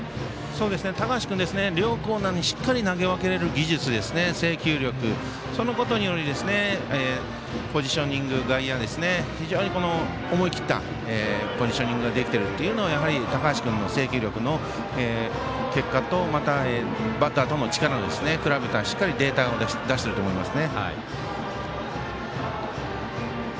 高橋君両コーナーにしっかり投げ分けられる技術制球力、そのことによりポジショニング、外野ですね非常に思い切ったポジショニングができてるというのはやはり高橋君の制球力の結果と、またバッターとの力を比べたしっかりデータを出してると思います。